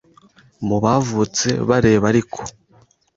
mu bavutse bareba ariko